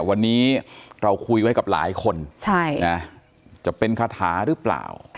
วันนี้เราคุยไว้กับหลายคนจะเป็นคาถาหรือเปล่า